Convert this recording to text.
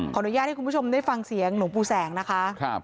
อนุญาตให้คุณผู้ชมได้ฟังเสียงหลวงปู่แสงนะคะ